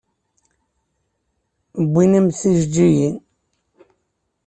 Wwin-am-d tijeǧǧigin.